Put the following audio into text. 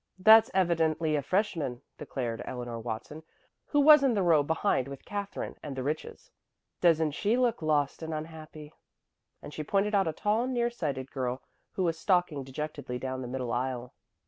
"That's evidently a freshman," declared Eleanor Watson, who was in the row behind with Katherine and the Riches. "Doesn't she look lost and unhappy?" And she pointed out a tall, near sighted girl who was stalking dejectedly down the middle aisle.